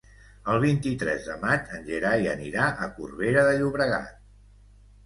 El vint-i-tres de maig en Gerai anirà a Corbera de Llobregat.